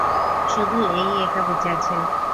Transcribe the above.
শুধু এ ই একা বেচে আছে।